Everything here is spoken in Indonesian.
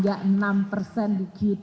kalkulatornya bapak presiden katanya tadi